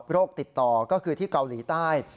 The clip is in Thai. ติดต่อก็คือที่เกาหลีใต้